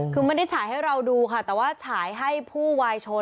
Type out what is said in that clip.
คือไม่ได้ฉายให้เราดูค่ะแต่ว่าฉายให้ผู้วายชน